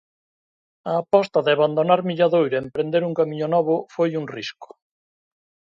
A aposta de abandonar Milladoiro e emprender un camiño novo foi un risco.